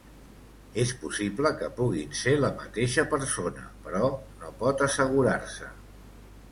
És possible que puguin ser la mateixa persona, però no pot assegurar-se.